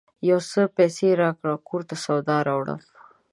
یو څه پیسې راکړه ! کور ته سودا راوړم